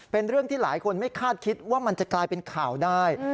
เป็นเรื่องที่หลายคนไม่คาดคิดว่ามันจะกลายเป็นข่าวได้